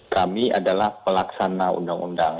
kami adalah pelaksana undang undang